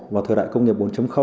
vào thời đại công nghiệp bốn